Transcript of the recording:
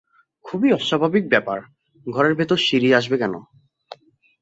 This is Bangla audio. খুবই অস্বাভাবিক ব্যাপার, ঘরের ভেতর সিঁড়ি আসবে কেন।